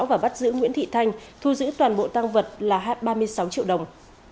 và bắt giữ nguyễn thị thanh thu giữ toàn bộ tăng vật là ba mươi sáu triệu đồng